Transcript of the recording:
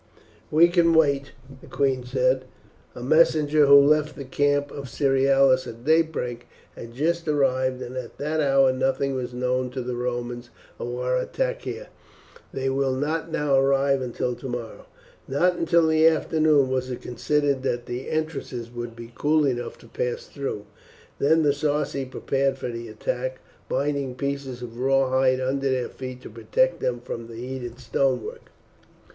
"We can wait," the queen said. "A messenger, who left the camp of Cerealis at daybreak, has just arrived, and at that hour nothing was known to the Romans of our attack here. They will not now arrive until tomorrow." Not until the afternoon was it considered that the entrances would be cool enough to pass through. Then the Sarci prepared for the attack, binding pieces of raw hide under their feet to protect them from the heated stonework.